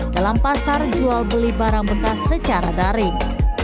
dalam pasar jual beli barang bekas secara daring